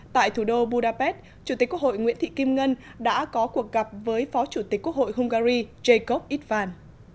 tại thủ đô budapest chủ tịch quốc hội nguyễn thị kim ngân đã có cuộc gặp với phó chủ tịch quốc hội hungary jaekov idvan